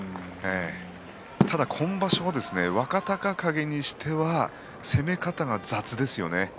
ただ今場所は若隆景にしては攻め方が雑ですよね。